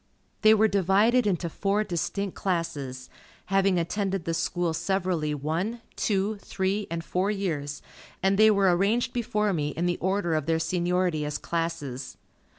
They were divided into four distinct classes, having attended the School severally one, two, three, and four years, and they were arranged before me in the order of their seniority as classes.